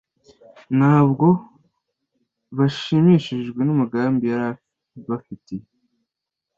Ntabwo bashimishijwe n’umugambi yari ibafitiye